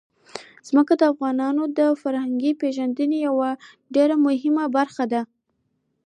ځمکه د افغانانو د فرهنګي پیژندنې یوه ډېره مهمه برخه ده.